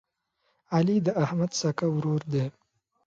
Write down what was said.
علي د احمد سکه ورور دی.